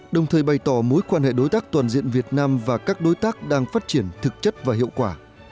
đồng thời bày tỏ mối quan hệ đối tác toàn diện việt nam và các đối tác đang phát triển thực chất và hiệu quả